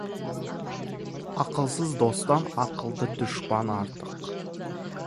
Ақылсыз достан ақылды дұшпан артық.